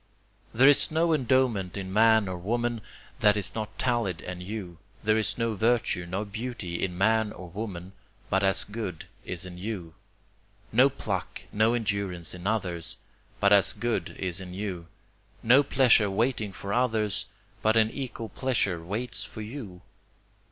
There is no endowment in man or woman that is not tallied in you; There is no virtue, no beauty, in man or woman, but as good is in you; No pluck, no endurance in others, but as good is in you; No pleasure waiting for others, but an equal pleasure waits for you.